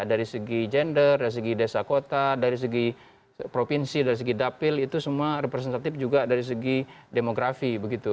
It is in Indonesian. dari segi gender dari segi desa kota dari segi provinsi dari segi dapil itu semua representatif juga dari segi demografi begitu